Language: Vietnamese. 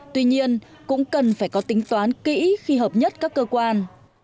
tuy nhiên cũng cần phải có tính toán kỹ khi hợp nhất các cơ quan